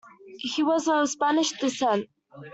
He was of Spanish descent.